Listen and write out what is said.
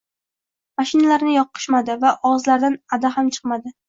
moshinalarni yoqishmadi va og‘izlaridan “adi” ham chiqmadi